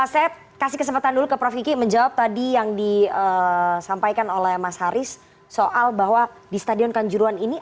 saya kasih kesempatan dulu ke prof kiki menjawab tadi yang disampaikan oleh mas haris soal bahwa di stadion kanjuruan ini